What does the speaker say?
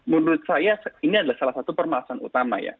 menurut saya ini adalah salah satu permasalahan utama ya